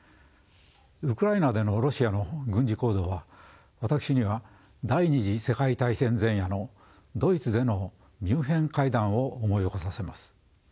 ウクライナでのロシアの軍事行動は私には第２次世界大戦前夜のドイツでのミュンヘン会談を思い起こさせます。